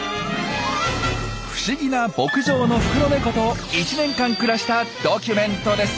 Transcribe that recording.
不思議な牧場のフクロネコと１年間暮らしたドキュメントです。